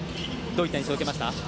どういった印象を受けました？